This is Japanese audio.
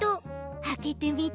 あけてみて！